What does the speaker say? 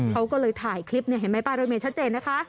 เขาก็เลยถ่ายคลิปเนี่ยเห็นไหมป้ายรถเมย์ชัดเจนนะคะ